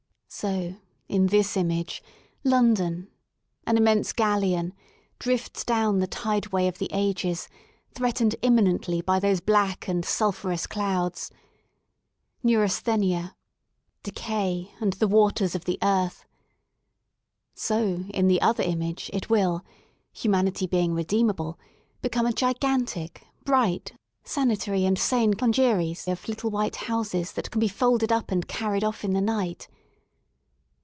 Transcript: So, in this image, London, an immense galleon, drifts down the tideway of the ages, threatened immin ently by those black and sulphurous clouds, Neuras thenia, Decay, and the waters of the Earth. So, in the other image, it will — humanity being redeemable — become a gigantic, bright, sanitary and sane congeries of little white houses that can be folded up and carried off in the night.